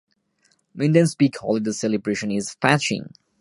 Minden's big holiday celebration is Fasching.